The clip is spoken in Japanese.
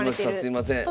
すいません。